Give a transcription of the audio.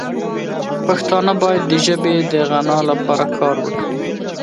پښتانه باید د ژبې د غنا لپاره کار وکړي.